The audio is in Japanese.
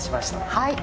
はい。